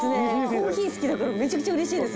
コーヒー好きだからめちゃくちゃうれしいです。